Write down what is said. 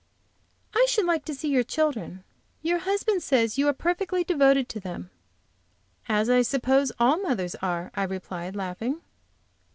"I should like to see your children. Your husband says you are perfectly devoted to them." "As I suppose all mothers are," I replied, laughing.